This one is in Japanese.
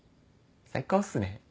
最高っすね。